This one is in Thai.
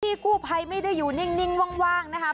พี่กู้ภัยไม่ได้อยู่นิ่งว่างนะคะ